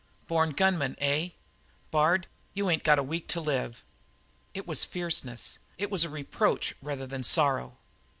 "Born gunman, eh? Bard, you ain't got a week to live." It was fierceness; it was a reproach rather than sorrow.